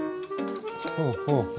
ほうほう。